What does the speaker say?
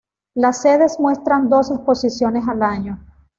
Las sedes muestran dos exposiciones al año.